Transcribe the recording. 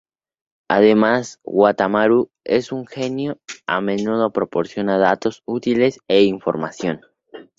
Además, Wataru es un genio, a menudo proporciona datos útiles e información.